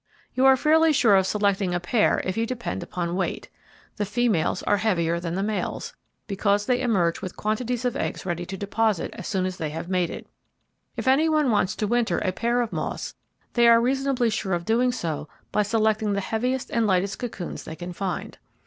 You are fairly sure of selecting a pair if you depend upon weight. The females are heavier than the males, because they emerge with quantities of eggs ready to deposit as soon as they have mated. If any one wants to winter a pair of moths, they are reasonably sure of doing so by selecting the heaviest and lightest cocoons they can find.